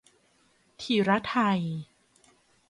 ถิรไทย